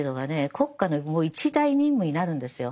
国家のもう一大任務になるんですよ。